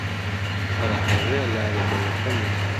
پر هغي لاري به وتلی یمه `